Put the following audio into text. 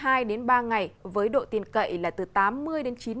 cảnh báo rét đậm rét hại trước hai ba ngày với độ tin cậy là từ tám mươi chín mươi